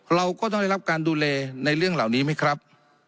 เราก็ต้องได้รับการดูแลในเรื่องเหล่านี้ไหมครับ